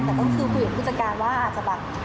แต่ก็คือคุยกับผู้จัดการว่าอาจจะแบบ